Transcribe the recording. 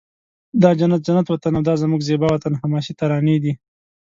دا جنت جنت وطن او دا زموږ زیبا وطن حماسې ترانې دي